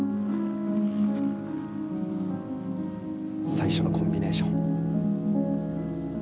最初のコンビネーション。